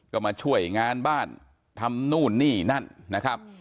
ก็มาช่วยงานบ้านทำนู่นนี่นั่นนะครับ